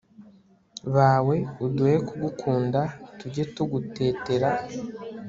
bawe, uduhe kugukunda, tujye tugutetera